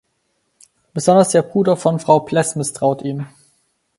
Besonders der Bruder von Frau Pless misstraut ihm.